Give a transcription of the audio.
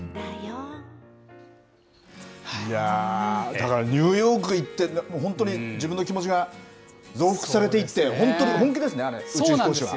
だからニューヨーク行って、もう本当に自分の気持ちが増幅されていって、本当に、本気ですね、そうなんです。